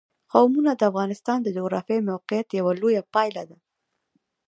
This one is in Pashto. قومونه د افغانستان د جغرافیایي موقیعت یوه لویه پایله ده.